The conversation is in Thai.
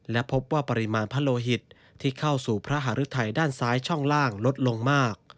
และพบว่าปริมาณพระโลหิตที่เข้าสู่พระหารุทัยด้านซ้ายช่องล่างลดลงมาก